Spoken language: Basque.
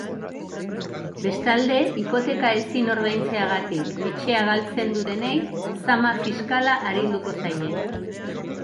Bestalde, hipoteka ezin ordaintzeagatik etxea galtzen dutenei zama fiskala arinduko zaie.